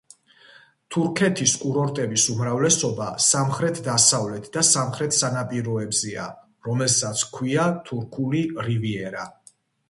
თურქეთის კურორტების უმრავლესობა სამხრეთ-დასავლეთ და სამხრეთ სანაპიროებზეა, რომელსაც ჰქვია თურქული რივიერა.